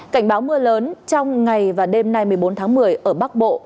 cảnh báo mưa lớn trong ngày và đêm nay một mươi bốn tháng một mươi ở bắc bộ